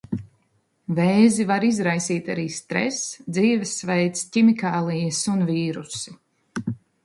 Vēzi var izraisīt arī stress, dzīvesveids, ķimikālijas un vīrusi.